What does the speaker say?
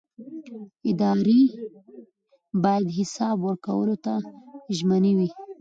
ادارې باید حساب ورکولو ته ژمنې وي